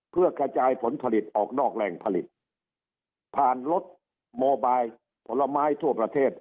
เพื่อกระจายผลผลิตออกนอกแหล่งผลิตผ่านรถโมบายผลไม้ทั่วประเทศ